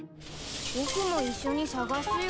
僕も一緒に捜すよ。